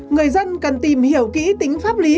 người dân cần tìm hiểu kỹ tính pháp lý